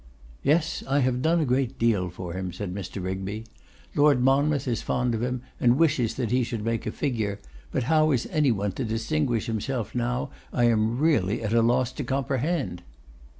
'Yes, I have done a great deal for him,' said Mr. Rigby. 'Lord Monmouth is fond of him, and wishes that he should make a figure; but how any one is to distinguish himself now, I am really at a loss to comprehend.